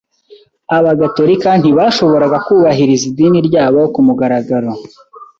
Abagatolika ntibashoboraga kubahiriza idini ryabo ku mugaragaro.